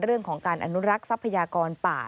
เรื่องของการอนุรักษ์ทรัพยากรป่า